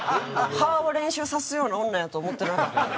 「“覇”を練習さすような女やと思ってなかった」。